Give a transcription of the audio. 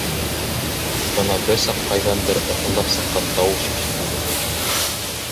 Бына бер саҡ ҡайҙандыр ыҫылдап сыҡҡан тауыш ишетелде.